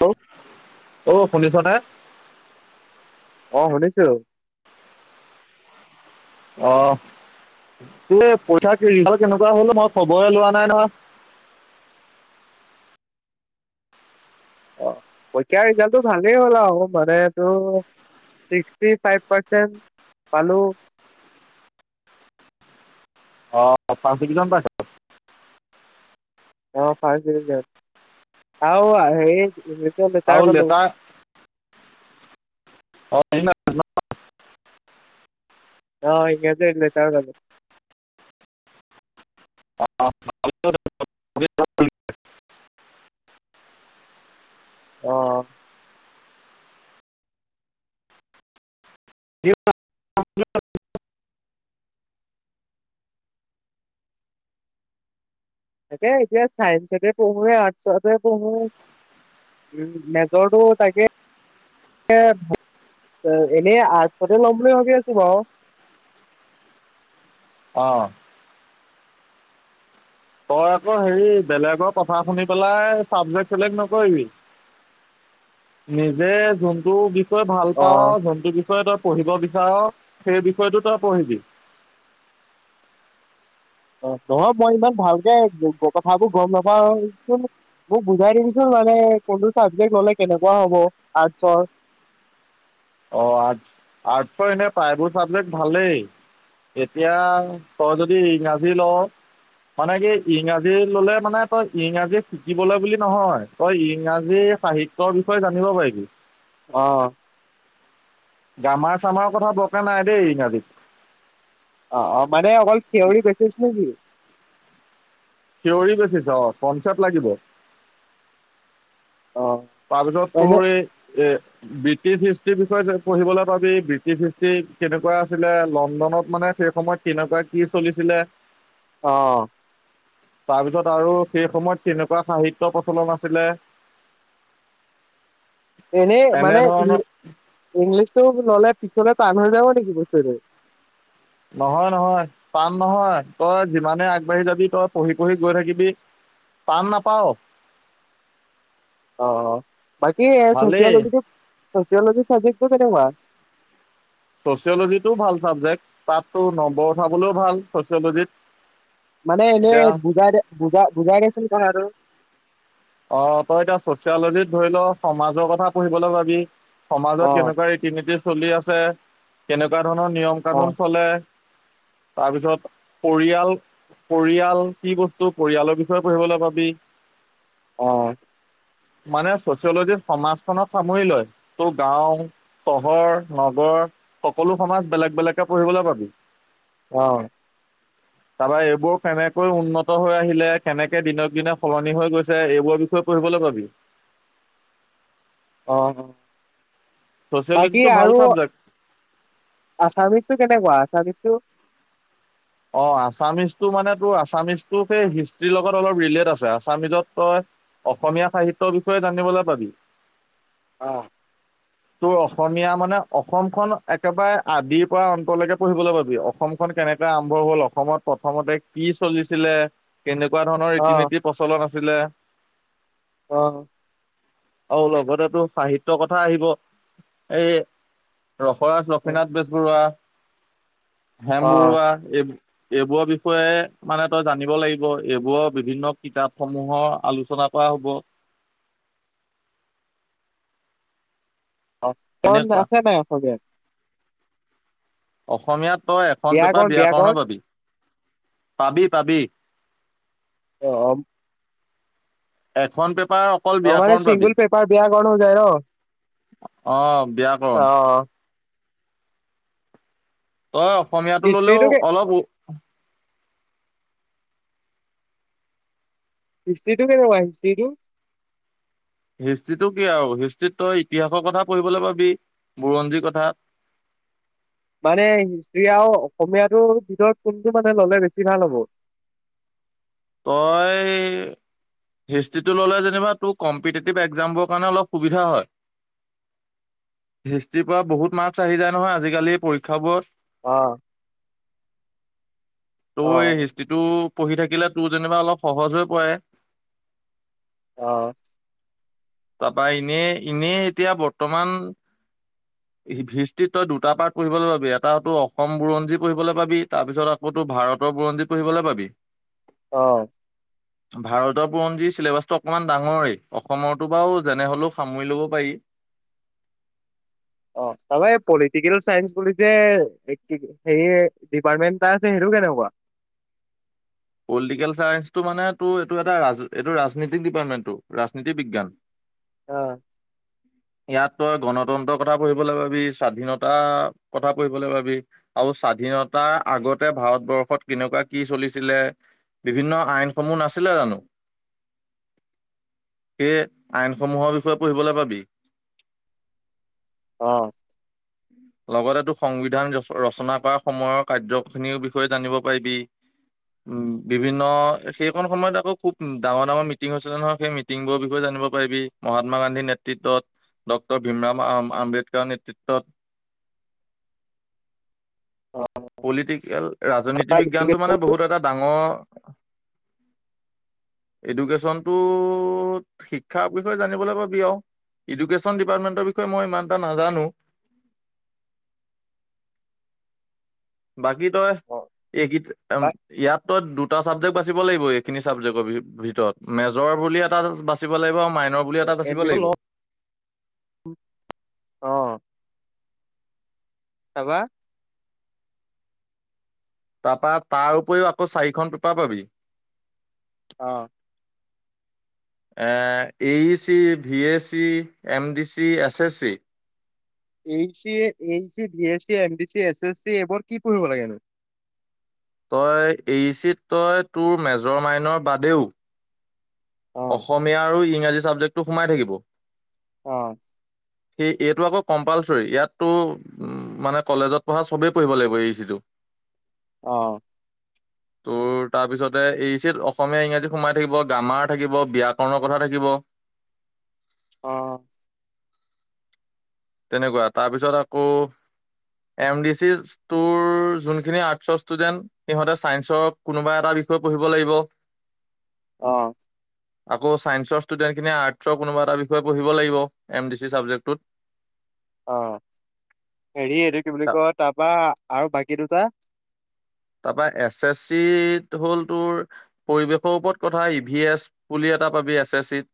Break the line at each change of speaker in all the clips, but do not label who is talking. Hello
অ শুনিছ না
অহ শুনিছো
অ এই পৰীক্ষা কেনেকোৱা হ'ল মই খবৰে লোৱা নাই নহয়
পৰক্ষা ৰিজাল্টটো ভালেই হ'ল আও মানেতো ছিক্সটি ফাইভ পাৰ্চন্ট পালো
অ ফাৰ্ষ্ট ডিভিজন পাইছ
অ ফাৰ্ষ্ট ডিভিজন আও আ হেৰি ছত লেটাৰ পালো
[unintelligible]
অহ ইংৰাজীত লেটাৰ পালো
অ [unintelligible]
অ
[unintelligible]
তাকে এতিয়া চাইন্সতে পঢ়োে নে আৰ্টছতে পঢ়ো উ মেজৰটো তাকে এনেই আৰ্টছতে লম বুলি ভাবি আছো বাও
অ তই আকৌ হেৰি বেলেগৰ কথা শুনি পেলাই চাবজেক্ট চিলেক্ট নকৰিবি নিজে যোনটো বিষ য়ে ভাল
অ
পাও যোনটো বিষয়ে তই পঢ়িব বিচাৰ সেই বিষয়টো তই পঢ়িবি
অ নহয় মই ইমান ভালকে কথাবোৰ গম নাপাও চোন মোক বুজাই দিবিচোন মানে কোনটো চাবজেক্ট ললে কেনেকোৱা হব আৰ্টচৰ
অ আৰ্ট আৰ্টছৰ এনে প্ৰায়বোৰ চাবজেক্ট ভালেই এতিয়া তই যদি ইংৰাজী ল মানে কি ইংৰাজী ললে মানে তই ইংৰাজী শিকিবলৈ বুলি নহয় তই ইংৰাজী সাহিত্যৰ বিষয়ে জানিব পাৰিবি
অহ
গামাৰ চামাৰ কথা বকা নাই দেই ইংৰাজীত
অ অ মানে অকল থিউৰি বেছিছ নে কি
থিউৰি বেছিছ অ কনছেপ্ত লাগিব
অ
তাৰপিছত
এনে
তোৰ এই এ ব্ৰিটিছ ইষ্ট বিষয়ে পঢ়িবলৈ ভাবি ব্ৰিটিছ হিষ্ট্ৰী কেনেকোৱা আছিলে লণ্ডনত মানে সেই সময়ত কেনেকোৱা কি চলিছিলে
অহ
তাৰপিছত আৰু সেই সময়ত কেনেকোৱা সাহিত্যৰ প্ৰচলন আছিলে
এনেই মানে ই
এনেধৰণৰ
ইংলিছতটো ললে পিছলে টান হৈ যাব নেকি বস্তুটো
নহয় নহয় টান নহয় তই যিমানে আগবাঢ়ি যাবি তই পঢ়ি পঢ়ি গৈ থাকিবি টান নাপাও
অ বাকি এ
ভালেই
চচিয়লজিটো চচিঅ'লজী চাব্জেক্টটো কেনেকোৱা
চচিয়লজিটোও ভাল চাবজেক্ট তাততো নম্বৰ উঠাবলৈও ভাল চ'চিঅলজিত
মানে এনেই বুজাই দে বুজা বুজাই দেচোন কথাতো
অ তই এতিয়া চচিয়লজিত ধৰি ল সমাজৰ কথা পঢ়িবলৈ পাবি
অ
সমাজত কেনেকোৱা ৰীতি নীতি চলি আছে, কেনেকুৱা ধৰণৰ নিয়ম
অ
কানুন চলে। তাৰপিছত পৰিয়াল-পৰিয়াল কি বস্তু, পৰিয়ালৰ বিষয়ে পঢ়িবলৈ পাবি।
অহ
মানে চচিয়লজিত সমাজখনত সামৰি লয়। ত গাঁও, চহৰ, নগৰ সকলো সমাজ বেলেগ বেলেগকে পঢ়িবলৈ পাবি।
অহ
তাৰপৰা এইবোৰ কেনেকৈ উন্নত হৈ আহিলে কেনেকে দিনক দিনে সলনি হৈ গৈছে। এইবোৰ বিষয়ে পঢ়িবলৈ পাবি।
অহ-অহ বাকী
ছচিয়লজিটো ভাল
আৰু
চাবজেক্ট
আছামিজটো কেনেকুৱা, আচামিজটো?
অ আছামিজটো মানে তোৰ আছামিজটো সেই হিষ্ট্ৰীৰ লগত অলপ ৰিলেট আছে আছামিজত তই অসমীয়া সাহিত্যৰ বিষয়ে জানিবলৈ পাবি।
অহ
তোৰ অসমীয়া মানে অসমখন একেবাৰে আদিৰ পৰা অন্তলৈকে পঢ়িবলৈ পাবি। অসমখনন কেনেকে আৰম্ভ হ'ল অসমত প্ৰথমতে কি চলিছিলে। কেনেকুৱা ধৰণৰ
অ
ৰীতি নীতি প্ৰলন আছিল। লে
অহ
অ লগতে টোৰ সাহিত্যয়ৰ কথা আহিব। এই ৰসৰাজ লক্ষীনাথ বেজবৰুৱা। হেম
অ
বৰুৱা। এই এইবোৰৰ বিষয়ে মানে তই জানিব লাগিব এইবোৰৰ বিভিন্ন কিতাপ সমূহৰ আলোচনা কৰা হব।
কাৰণ
এনেকুৱা
আছে নাই [unintelligible]
অসমীয়াত তই এখন পেপাৰ
ব্যাকৰণ ব্যাকৰণ
ব্যয়াকৰণৰ পাবি। পাাবি-পাাবি।
অহ
এথোন পে
অ মানে চিংগুল পেপাৰ বিেয়াকৰণ হয় যায় ন?
অ ব্যাকৰণ
অহ
তই অসমীয়াটো ল'লেও
হিষ্ট্ৰীটো
অলপ
হিষ্টৰী টো কেনেকুৱা হিষ্টৰী টো?
হিষ্ট্ৰিটো কি আৰু হিষ্ট্ৰ্ৰী তই ইতিহাসৰ কথা পঢ়িবলৈ পাবি বুৰঞ্জী কথা।
মানে হিষ্ট্ৰ্ৰী আৰু অসমীয়াটোৰ ভিতৰত কোনটো মানে ললে বেছি ভাল হ'ব?
তই হিষ্ট্ৰিটো ললে যেনিবা তোৰ কম্পিটেটিভ এক্জামবৰ কাৰণে অলপ সুবিধা হয়। হিষ্ট্ৰিৰ পৰা বহুত মাৰ্কচ আহি যায় নহয় আজিকালি পৰীক্ষাবোৰত।
অহ
ত' এই হিষ্ট্ৰিটো পঢ়ি থাকিলে তোৰ যেনিবা অলপ সহজ হৈ পৰে।
অহ
তাৰপা এনে এনেই এতিয়া বৰ্তমান হৃষ্টিত তই দুটা পাৰ্তত পঢ়িবলৈ পাবি এটা হতো অসম বুৰঞ্জী পঢ়িবলৈ পাবি তাৰ পিছত আকৌতো ভাৰতৰ বুৰঞ্জী পঢ়িবলৈ পাবি।
অ
ভাৰতৰ বুৰঞ্জীৰ চিলেবাচটো অকমান ডাঙৰে অসমৰতো বাৰু যেনে হ'লেও সামৰি লব পাৰি।
অ তবে পলিটিকেল চাইঞ্চ বুলিতে হেৰিয় ডিপাৰ্টমেণ্ট এটা আছে সেইটো কেনেকুৱা
পলিটিকেল চায়েঞ্চটো মানে তো এইটো এটা এইটো ৰাজনীতিক ডিপাৰ্টমেণ্টটো ৰাজনীতি বিজ্ঞান
অ
ইয়াত তই গণতন্ত্ৰৰ কথা পঢ়িবলৈ পাবি, স্বাধীনতা কথা পঢ়িবলৈ পাবি আৰু স্বাধীনতাৰ আগতে ভাৰতবৰ্ষত কেনেকুৱা কি চলিছিলে বিভিন্ন আইনসমূহ নাছিলে জানো সেই আইনসমূহৰ বিষয়ে পঢ়িবলৈ পাবি।
অ
লগতে তো সংবিধান ৰচনা কৰা সময়ৰ কাৰ্যখিনিৰ বিষয়ে জানিব পাৰিবি উম বিভিন্ন সেইখন সময়ত আকৌ খুব ডাঙৰ ডাঙৰ মিটিং হৈছিলে নহয় সেই মিটিংবোৰৰ বিষয়ে জানিব পাৰিবি। মহাত্মা গান্ধীৰ নেতৃত্বত ডক্তৰ ভীমৰাম আম্বেদকাৰ নেতৃত্বত পলিটিকেল ৰাজনীতি বিজ্ঞানটো মানে বহুত এটা এডুকেশ্যনটো শিক্ষাৰ বিষয়ে জানিবলৈ পাবি আও এডুকেশ্যন ডিপাৰ্টমেন্টৰ বিষয়ে মই ইমান এটা নাজানো তই এই গীত অম ইয়াত তই দুটা চাবজেক্ট বাচিব লাগিব এইখিনি চাবজেক্টৰ ভিতৰত মেজৰ বুলি এটা বাচিব লাগিব আৰু মাইনৰ বুলি এটা বাচিব
এডমিশ্যন
লাগিব
ল অ তাপা
তাৰপা তাৰ উপৰিও আকৌ চাৰিখন পেপাৰ পাবি
অ
E E C, V A C, M D C, S S C
এই চি এই C, B A C, M B C, S S C এইবোৰ কি পঢ়িব লাগেনো?
তই এইচিত তই তোৰ মেজৰ মাইনৰ বাদেও
অ
অসমীয়া আৰু ইং ৰাজী চাবজেক্টো সোমাই থাকিব
অ
সেই এইটো আকৌ কম্পালচৰি ইয়াততো মানে কলেজত পঢ়া চবেই পঢ়িব লাগিব এই চি টো।
অ
তোৰ তাৰপিছতে এই চিত অসমীয়া ইংৰাজী সোমাই থাকিব গ্ৰামাত থাকিব ব্যয়াকৰণৰ কথা থাকিব
অ
তেনেকুৱা তাৰপিছত আকৌ এম ডি চি টোৰ যোনখিনি আৰ্টছৰ ষ্টুডেন্ট সিহঁতে ছায়েঞ্চৰ কোনোবা এটা বিষয় পঢ়িব লাগিব
অ
আকৌ ছায়েঞ্চৰ ষ্টুডেণ্টখিনিয়ি আৰ্টচৰ কোনোবা এটা বিষয়ে পঢ়িব লাগিব এম ডি চি চাবজেক্টটোত
অ হেৰি এইটো কি বুলি কয় তাৰপা আৰু বাকী দুটা
তাৰপা এছ এছ চি তো হ'ল তোৰ পৰিৱেশৰ ওপৰত কথা ই ভি এছ বুলি এটা পাবি এছ এছ চি ত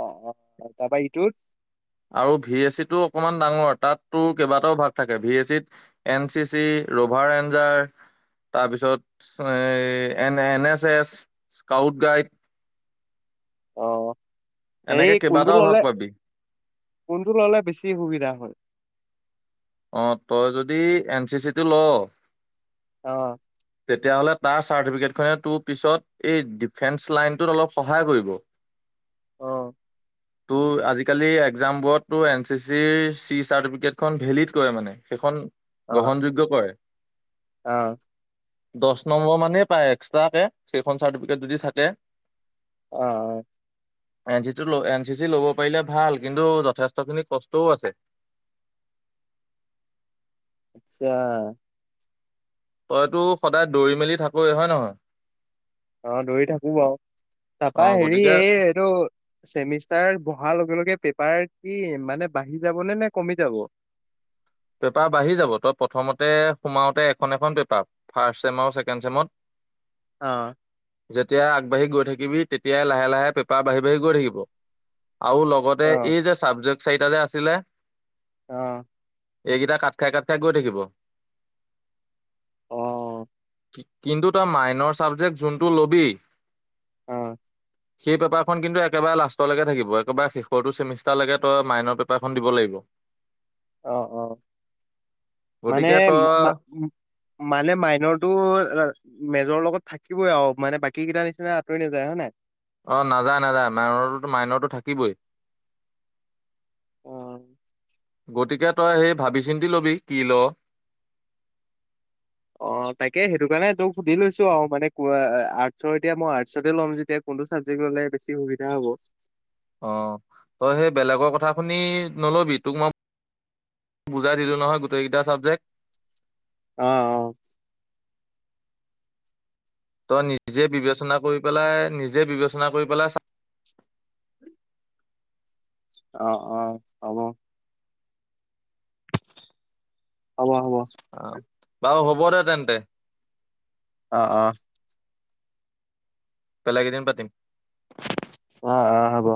অ অ তাৰাপা ইটোত
আৰু ভি এছচিটো অকণমান ডাঙৰ তাততো কেইবাটাও ভাগ থাকে ভি এছ চিত N C C rover ranger তাৰপিছত এন এনে এছ এছ স্কাউট গাইড
অ
এনেকে
হেৰি কোনটো
কেইবাটাও ভাগ
ললে
পাবি
কোনটো ললে বেছি সুবিধা হয়
অ তই যদি এন চি চি টো লও
অ
তেতিয়াহ'লে তাৰ চাৰ্টিফিকেটখনে তোৰ পিছত এই ডিফেন্স লাইনটোত অলপ সহায় কৰিব
অ
ত' আজিকালি একজামবোৰত এন চি চিৰ চি চৰ্টিফিকেট খন ভেলিড কিয় মানে সেইখন,
অ
গ্ৰহণযোগ্য পৰে
অ
দচ নম্বৰ মানেই পায় এক্সট্ৰাকে, সেইখন চাৰ্টিফিকেট যদি থাকে।
অ',
এন চি ল', এন -চি -চি ল'ব পাৰিলে ভাল কিন্তু যথেষ্টখিনি কষ্টও আছে।
আচ্ছা।
তইতো সদায় দৌৰি মেলি থাকৱে হয়- নহয়?
অহ ', দৌৰি থাকো বাৰু।
অ
তাৰাপা হেৰি
গতিকে
এই এইটো চেমিষ্টাৰ বহাৰ লগে লগে, পাৰ কি মানে বাঢ়ি যাব নে', -নে', কমি যাব?
পেপাৰ বাঢ়ি যাব, তই প্ৰথমতে সোমাওতে এখন এখন পেপাৰ ফাৰ্ষ্ট ছেম আৰু ছেকেণ্ড ছেমত।
অহ,
যেতিয়া আগবাঢ়ি গৈ থাকিবি, তেতিয়াই লাহে- লাহে পেপাৰ বাঢ়ি -বাঢ়ি গৈ থাকিব। আৰু
অ
লগতে এই যে চাবজেক্ট, চাৰিটা যে আছিলে।
অহ্
এইকেইটা কাট খাই, কাট খাই, গৈ থাকিব।
অ
কিন্তু তই মাইনৰ চাবজেক্ট যোনটো ল'বি,
আঃ
সেই পেপাৰখন কিন্তু একেবাৰে লাষ্টলৈকে থাকিব, একেবাৰে শেষৰটো চেমিষ্টাৰলৈকে তই মাইনৰ পেপাৰখন দিব লাগিব।
অ', - অ ',
গতিকে তই
মানে- মানে মাইনৰটো মেজৰৰ লগত, থাকিবই আৰু মানে বাকী কেইটাৰ নিচিনা আতৰি নাযায় হয়ে নাই?
অ', নাযায়- নাযায় মাইনৰ - মাইনৰটো থাকিবই।
অ, '
গতিকে তই, সেই ভাবি চিন্তি লবি কি ল',?
অ', তাকে সেইটো কাৰণে তোক সুধি লৈছো আৰু মানে আৰ্টচৰ এতিয়া মই, আৰ্টচতে লম যেতিয়া কোনটো চাবজেক্ট ল'লে বেছি সুবিধা হব।
অহ ', তই সেই বেলেগৰ কথা শুনি নলবি, তোক মই বুজাই দিলো নহয় গোটেইকেইটা চাবজেক্ট।
আহ ', - অ ',
তই নিজে বিবেচনা কৰি পেলাই, নিজে বিবেচনা কৰি পেলাই চ,
অ', অ', হব। হব-হব।
আম, বাউ হ'ব দে তেন্তে।
অ', অ',
বেলেগ এদিন পাতিম।
উৱা, আঃ, হব।